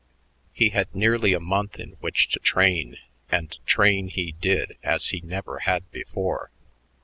He had nearly a month in which to train, and train he did as he never had before.